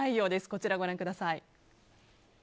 こちら、ご覧ください。